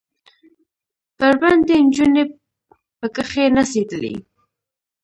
بربنډې نجونې پکښې نڅېدلې.